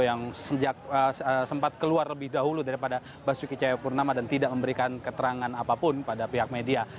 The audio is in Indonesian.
yang sempat keluar lebih dahulu daripada basuki cahayapurnama dan tidak memberikan keterangan apapun pada pihak media